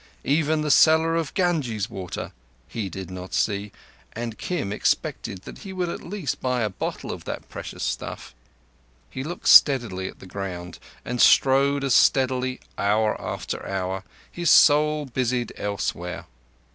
Even the seller of Ganges water he did not see, and Kim expected that he would at least buy a bottle of that precious stuff. He looked steadily at the ground, and strode as steadily hour after hour, his soul busied elsewhere.